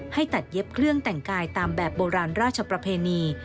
ให้ตัดเย็บเครื่องแต่งกายตามแบบโบราณราชประเพณี